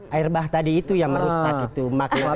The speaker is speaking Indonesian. air bah tadi itu yang merusak gitu makin representasi